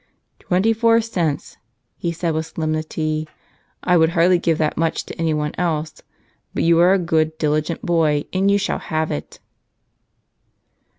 "Twenty four cents!" he said, with solemnity. "I would hardly give that much to anyone else, but you are a good, diligent boy, and you shall have it."